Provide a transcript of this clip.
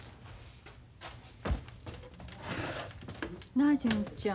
なあ純ちゃん。